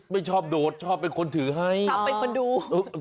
ไม่ชอบโดดชอบเป็นคนถือให้ชอบเป็นคนดู